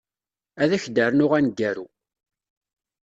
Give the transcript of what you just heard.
Ad ak-d-rnuɣ aneggaru.